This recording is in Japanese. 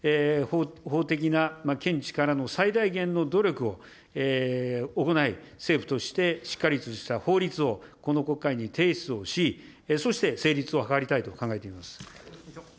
法的な見地からの最大限の努力を行い、政府としてしっかりとした法律をこの国会に提出をし、そして成立を図りたいと考えています。